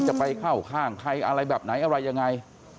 ไปเข้าข้างใครอะไรแบบไหนอะไรยังไง